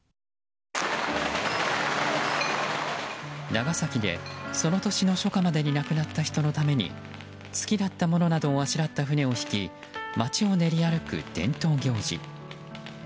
長崎で、その年の初夏までに亡くなった人のために好きだったものなどをあしらった船を引き街を練り歩く伝統行事。